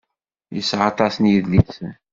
Yesεa aṭas n yedlisen.